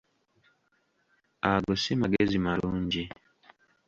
Ago ssi magezi malungi.